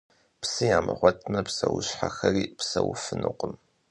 Псы ямыгъуэтмэ, псэущхьэхэри псэуфынукъым.